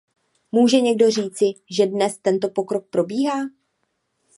Může někdo říci, že dnes tento pokrok probíhá?